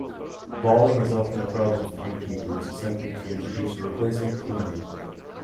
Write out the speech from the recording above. Balling is often a problem for beekeepers attempting to introduce a replacement queen.